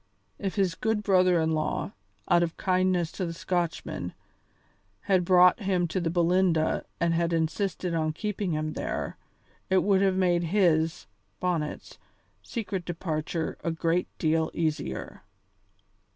If his good brother in law, out of kindness to the Scotchman, had brought him to the Belinda and had insisted on keeping him there, it would have made his, Bonnet's, secret departure a great deal easier.